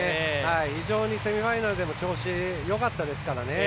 非常にセミファイナルでも調子よかったですから。